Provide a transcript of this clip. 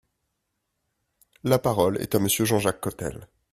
La parole est à Monsieur Jean-Jacques Cottel.